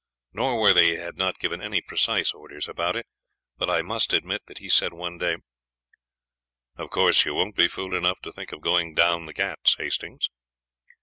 Norworthy had not given any precise orders about it, but I must admit that he said one day: "'Of course you won't be fool enough to think of going down the Ghauts, Hastings?'